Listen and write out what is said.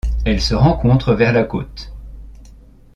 Elle se rencontre vers la côte.